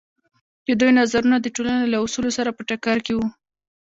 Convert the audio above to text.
د دوی نظرونه د ټولنې له اصولو سره په ټکر کې وو.